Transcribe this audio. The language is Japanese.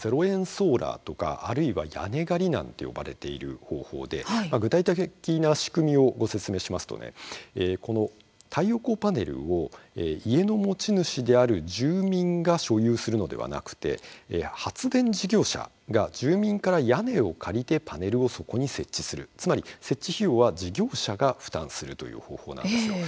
ソーラーとかあるいは屋根借りなんて呼ばれている方法で具体的な仕組みをご説明しますとこの太陽光パネルを家の持ち主である住民が所有するのではなくて発電事業者が住民から屋根を借りてパネルをそこに設置するつまり、設置費用は事業者が負担するという方法なんですよ。